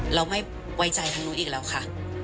เราไม่ไว้ใจทางนู้นอีกแล้วค่ะ